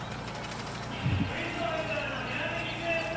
◆クイズ王・伊沢のひらめきクエスト！